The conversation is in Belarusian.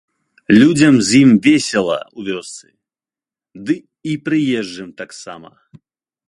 Людзям з ім весела ў вёсцы, ды і прыезджым таксама.